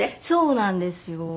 そうなんですよ。